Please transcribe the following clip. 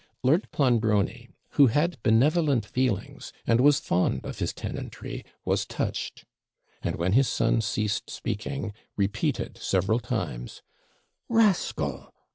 Lord Clonbrony, who had benevolent feelings, and was fond of his tenantry, was touched; and, when his son ceased speaking, repeated several times 'Rascal!